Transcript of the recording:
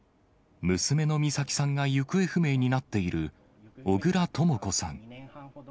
娘の美咲さんが行方不明になっている、小倉とも子さん。